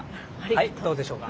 はいどうでしょうか？